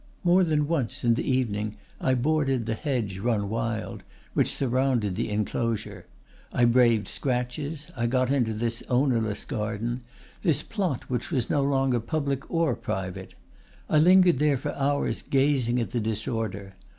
More than once in the evening I boarded the hedge, run wild, which surrounded the enclosure. I braved scratches, I got into this ownerless garden, this plot which was no longer public or private; I lingered there for hours gazing at the disorder.